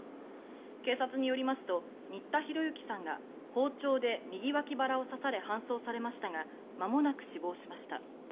警察によりますと新田浩之さんが包丁で右脇腹を刺され搬送されましたがまもなく死亡しました。